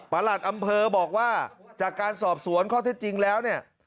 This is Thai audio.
หลัดอำเภอบอกว่าจากการสอบสวนข้อเท็จจริงแล้วเนี่ย